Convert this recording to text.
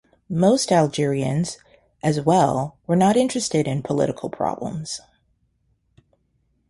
Most Algerians, as well, were not interested in political problems.